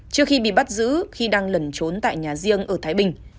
trước khi bị bắt giữ khi đang lẩn trốn tại nhà riêng ở thái bình